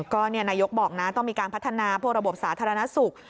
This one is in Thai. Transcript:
ก็นายกบอกนะต้องมีการพัฒนาพวกระบบสาธารณสุข